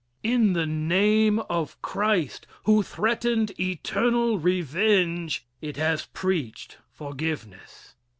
In the name of Christ, who threatened eternal revenge, it has preached forgiveness.